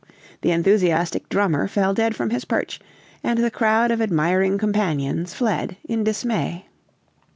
The enthusiastic drummer fell dead from his perch, and the crowd of admiring companions fled in dismay.